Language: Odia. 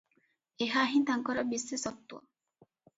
ଏହାହିଁ ତାଙ୍କର ବିଶେଷତ୍ୱ ।